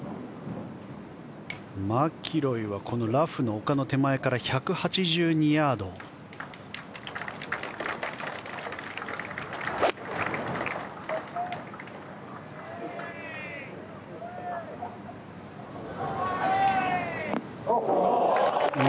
マキロイはラフの丘の手前から１８２ヤードです。